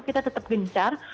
kita tetap gencar